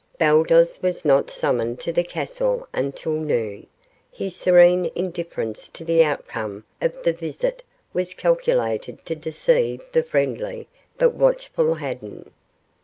Baldos was not summoned to the castle until noon. His serene indifference to the outcome of the visit was calculated to deceive the friendly but watchful Haddan.